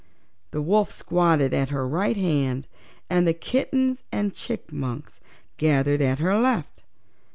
The wolf squatted at her right hand and the kittens and chipmunks gathered at her left.